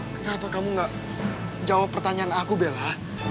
kenapa kamu gak jawab pertanyaan aku bella